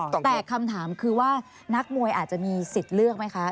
แต่คำถามคือว่านักมวยอาจจะมีสิทธิ์เลือกไหมคะ